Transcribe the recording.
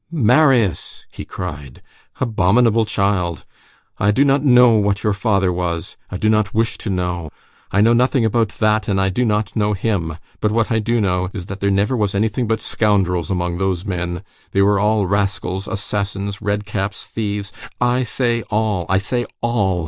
"Marius!" he cried. "Abominable child! I do not know what your father was! I do not wish to know! I know nothing about that, and I do not know him! But what I do know is, that there never was anything but scoundrels among those men! They were all rascals, assassins, red caps, thieves! I say all! I say all!